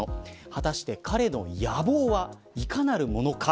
果たして、彼の野望はいかなるものか。